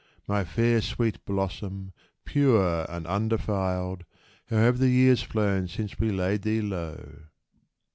My fair, sweet blossom, pure and undefiled, How have the years flown since we laid thee low